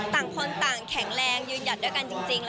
ต่างคนต่างแข็งแรงยืนหยัดด้วยกันจริง